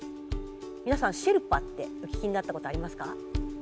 皆さんシェルパってお聞きになったことありますか？